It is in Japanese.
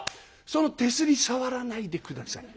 その手すり触らないで下さい。